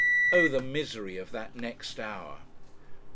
O the misery of that next hour!